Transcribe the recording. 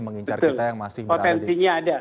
mengincar kita yang masih berada di